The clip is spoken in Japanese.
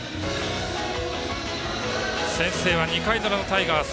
先制は２回の裏のタイガース。